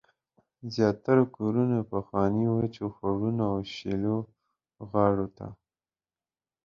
زیاتره کورونه د پخوانیو وچو خوړونو او شیلو غاړو ته